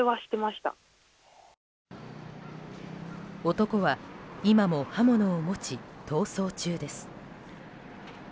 男は今も刃物を持ち逃走中です。